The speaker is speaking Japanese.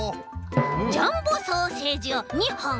ジャンボソーセージを２ほん！